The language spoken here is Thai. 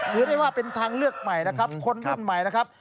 ถือได้ว่าเป็นทางเลือกใหม่นะครับคนรุ่นใหม่นะครับ